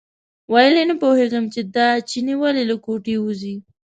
ویل یې نه پوهېږم چې دا چینی ولې له کوټې وځي.